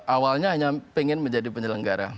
awalnya hanya pengen menjadi penyelenggara